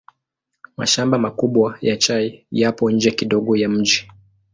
Mashamba makubwa ya chai yapo nje kidogo ya mji.